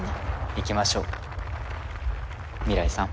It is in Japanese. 行きましょう未来さん。